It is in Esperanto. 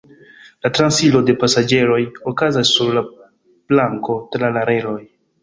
La transiro de pasaĝeroj okazas sur la planko tra la reloj.